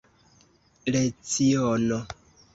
leciono